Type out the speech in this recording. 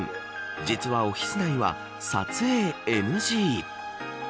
実はオフィス内は撮影ＮＧ。